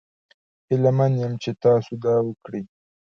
هیله من یم چې تاسو دا وکړي.